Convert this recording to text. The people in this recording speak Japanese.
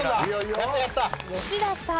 吉田さん。